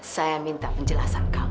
saya minta penjelasan kamu